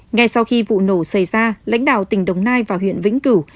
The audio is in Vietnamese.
ngay sau khi vụ nổ xảy ra lãnh đạo tỉnh đồng nai và huyện vĩnh cửu